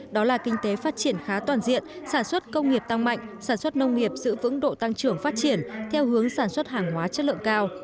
đó là kinh tế phát triển khá toàn diện sản xuất công nghiệp tăng mạnh sản xuất nông nghiệp giữ vững độ tăng trưởng phát triển theo hướng sản xuất hàng hóa chất lượng cao